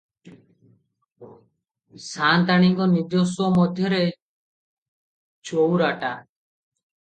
ସାଆନ୍ତାଣିଙ୍କ ନିଜସ୍ୱ ମଧ୍ୟରେ ଚଉରାଟା ।